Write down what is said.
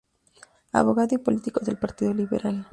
Abogado y político del Partido Liberal.